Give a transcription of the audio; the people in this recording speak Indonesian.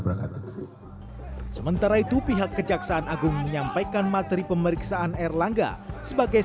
berangkat sementara itu pihak kejaksaan agung menyampaikan materi pemeriksaan erlangga sebagai